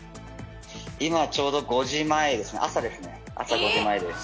今、ちょうど５時前ですね、朝５時前です。